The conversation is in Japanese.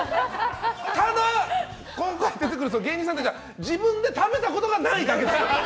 ただ、今回出てくる芸人さんは自分で食べたことがないだけです。